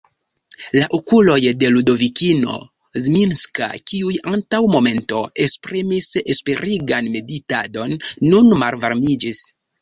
La okuloj de Ludovikino Zminska, kiuj antaŭ momento esprimis esperigan meditadon, nun malvarmiĝis.